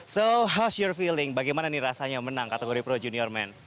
so hour feeling bagaimana nih rasanya menang kategori pro junior men